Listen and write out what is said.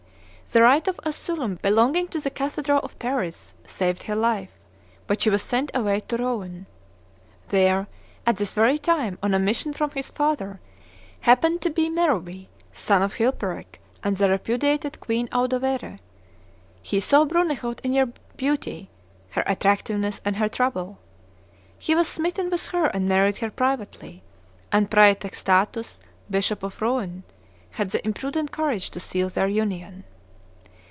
The right of asylum belonging to the cathedral of Paris saved her life, but she was sent away to Rouen. There, at this very time, on a mission from his father, happened to be Merovee, son of Chilperic, and the repudiated Queen Audovere; he saw Brunehaut in her beauty, her attractiveness and her trouble; he was smitten with her and married her privately, and Praetextatus, bishop of Rouen, had the imprudent courage to seal their union.